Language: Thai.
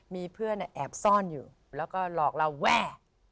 มีเพื่อนแอบซ่อนอยู่แล้วก็หลอกเราแว่